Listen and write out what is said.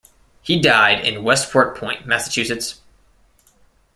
He died in Westport Point, Massachusetts.